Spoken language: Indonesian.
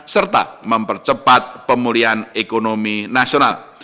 serta mempercepat pemulihan ekonomi nasional